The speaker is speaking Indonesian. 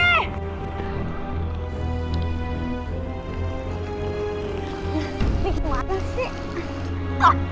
ini gimana sih